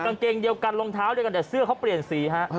กางเกงเดียวกันรองเท้าเดียวกันแต่เสื้อเขาเปลี่ยนสีฮะ